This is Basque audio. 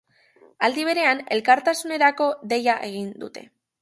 Aldi berean, elkartasunerako deia egin dute.